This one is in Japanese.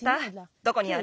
どこにある？